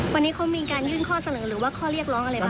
วันนี้เขามีการยื่นข้อเสนอหรือว่าข้อเรียกร้องอะไรบ้าง